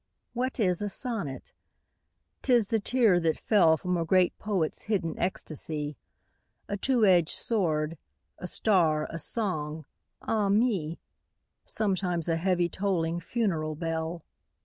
What is a sonnet ? 'T is the tear that fell From a great poet's hidden ecstasy ; A two edged sword, a star, a song — ah me I Sometimes a heavy tolling funeral bell.